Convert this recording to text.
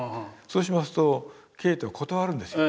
そうしますとケーテは断るんですよ。